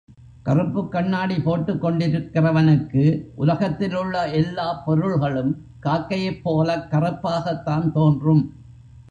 கறுப்புக் கண்ணாடி போட்டுக் கொண்டிருக்கிறவனுக்கு உலகத்திலுள்ள எல்லாப் பொருள்களும் காக்கையைப் போலக் கறுப்பாகத்தான் தோன்றும்.